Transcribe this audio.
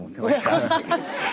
アハハハ！